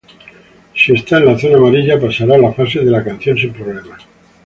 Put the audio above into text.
Si está en la zona amarilla, pasará las fases de la canción sin problemas.